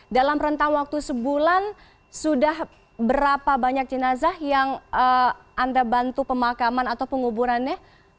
dalam rentang waktu sebulan sudah berapa banyak jenazah yang anda bantu pemakaman atau penguburannya